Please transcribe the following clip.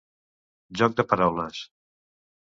Joc de paraules.